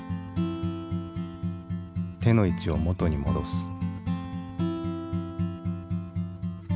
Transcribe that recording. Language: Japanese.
手の位置を元に戻す。